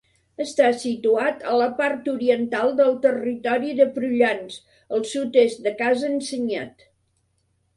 Està situat a la part oriental del territori de Prullans, al sud-est de Casa Ensenyat.